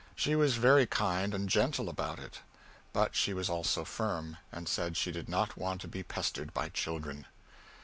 She was very kind and gentle about it. But she was also firm, and said she did not want to be pestered by children.